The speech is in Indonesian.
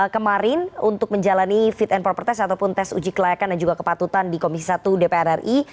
kemarin untuk menjalani fit and proper test ataupun tes uji kelayakan dan juga kepatutan di komisi satu dpr ri